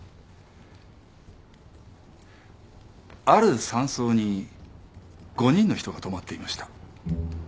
ある山荘に５人の人が泊まっていました。